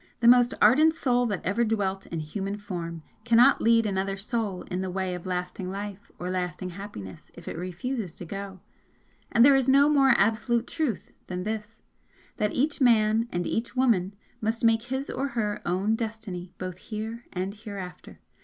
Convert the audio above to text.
The most ardent soul that ever dwelt in human form cannot lead another soul in the way of lasting life or lasting happiness if it refuses to go, and there is no more absolute truth than this That each man and each woman must make his or her own destiny both here and hereafter.